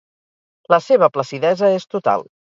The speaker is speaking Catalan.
La seva placidesa és total.